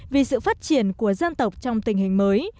vì sự phát triển của dân tộc trong tình hình mới